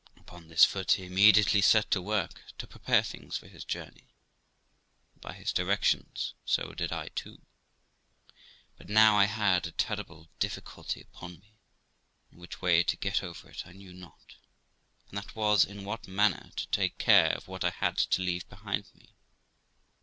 Upon this foot he immediately set to work to prepare things for his journey, and, by his directions, so did I too. But now I had a terrible difficulty upon me, and which way to get over it I knew not ; and that was, in what manner to take care of what I had to leave behind me.